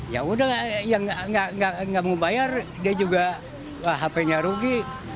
ya udah yang nggak mau bayar dia juga hp nya rugi